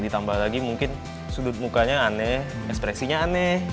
ditambah lagi mungkin sudut mukanya aneh ekspresinya aneh